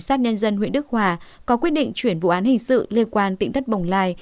sát nhân dân huyện đức hòa có quyết định chuyển vụ án hình sự liên quan tỉnh thất bồng lai